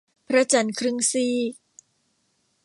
พระจันทร์ครึ่งซีก